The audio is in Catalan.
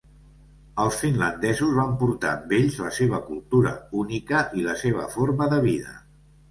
Els finlandesos van portar amb ells la seva cultura única i la seva forma de vida.